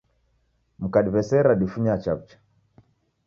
Mkadiw'esera difunya chaw'ucha